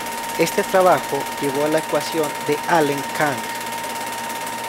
Este trabajo llevo a la ecuación de Allen–Cahn.